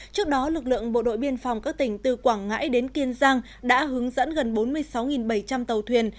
trước đó lực lượng bộ đội biên phòng các tỉnh từ quảng ngãi đến kiên giang đã hướng dẫn gần bốn mươi sáu bảy trăm linh tàu thuyền